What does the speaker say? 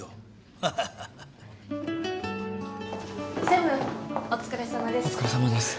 専務お疲れさまです。